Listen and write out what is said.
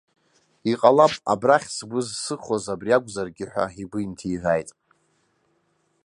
Иҟалап абрахь сгәы зсыхоз абри акәзаргьы ҳәа игәы инҭиҳәааит.